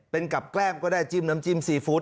เป็นกับแกล้มก็ได้จิ้มน้ำจิ้มซีฟู้ด